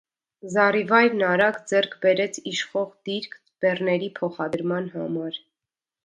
Զառիվայրն արագ ձեռք բերեց իշխող դիրք բեռների փոխադրման համար։